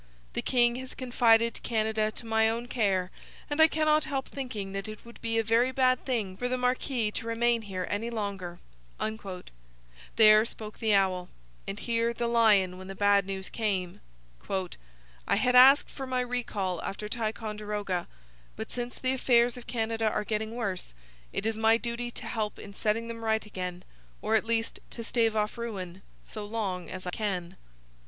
The king has confided Canada to my own care, and I cannot help thinking that it would be a very bad thing for the marquis to remain here any longer!' There spoke the owl. And here the lion, when the bad news came: 'I had asked for my recall after Ticonderoga. But since the affairs of Canada are getting worse, it is my duty to help in setting them right again, or at least to stave off ruin so long as I can.'